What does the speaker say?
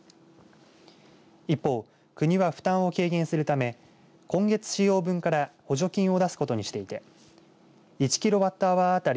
一方、国は負担を軽減するため今月使用分から補助金を出すことにしていて１キロワットアワー当たり